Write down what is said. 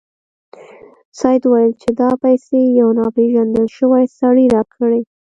سید وویل چې دا پیسې یو ناپيژندل شوي سړي راکړې.